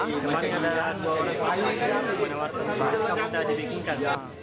di depan kejadian dua orang yang menawarkan pesawat sudah dibikinkan